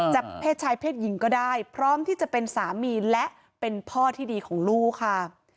เพศชายเพศหญิงก็ได้พร้อมที่จะเป็นสามีและเป็นพ่อที่ดีของลูกค่ะ